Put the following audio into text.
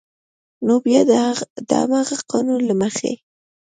نو بیا د همغه قانون له مخې